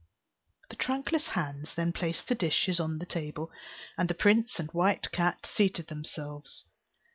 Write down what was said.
The trunkless hands then placed the dishes on the table, and the prince and white cat seated themselves.